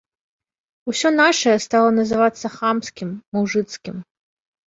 Усё нашае стала называцца хамскім, мужыцкім.